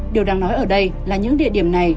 điều đang nói ở đây là những địa điểm này